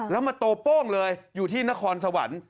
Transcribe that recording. แล้วมาโตโป้งเลยอยู่ที่นครสวรรค์